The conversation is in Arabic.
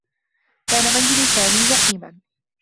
كان منزل سامي جحيما.